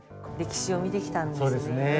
歴史を見てきたんですね。